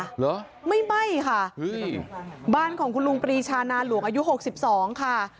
เหรอไม่ไหม้ค่ะบ้านของคุณลุงปรีชานาหลวงอายุ๖๒ค่ะ